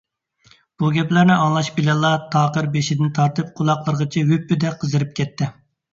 بۇ گەپلەرنى ئاڭلاش بىلەنلا تاقىر بېشىدىن تارتىپ قۇلاقلىرىغىچە ھۈپپىدە قىزىرىپ كەتتى.